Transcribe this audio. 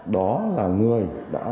đó là người